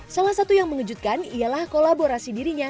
salah satu yang mengejutkan ialah kolaborasi dirinya